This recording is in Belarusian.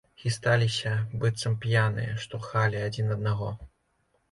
Хісталіся, быццам п'яныя, штурхалі адзін аднаго.